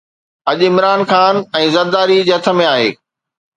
اڄ عمران خان ۽ زرداري جي هٿ ۾ آهي.